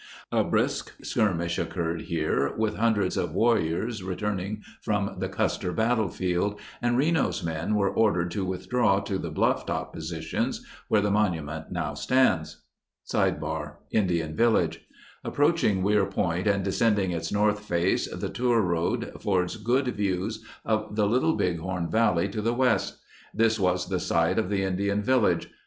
A brisk skirmish occurred here with hundreds of warri ors returning from the Custer Battlefield, and Reno's men were ordered to withdraw to the blufftop positions where the monument now stands. O Indian Village Approaching Weir Point and descending its north face, the tour road affords good views of the Little Bighorn Valley to the west. This was the site of the Indian village.